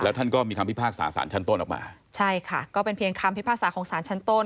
ท่านก็มีคำพิพากษาสารชั้นต้นออกมาใช่ค่ะก็เป็นเพียงคำพิพากษาของสารชั้นต้น